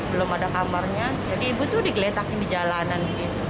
belum ada kamarnya jadi ibu tuh digeletakin di jalanan